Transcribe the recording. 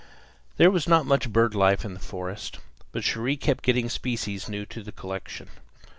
There was not much bird life in the forest, but Cherrie kept getting species new to the collection.